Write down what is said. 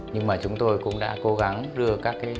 nhưng mà chúng tôi cũng đã cố gắng đưa các cái trụ đỡ